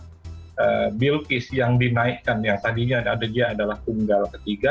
kita lihat bagaimana bill kiss yang dinaikkan yang tadinya ada dia adalah tunggal ketiga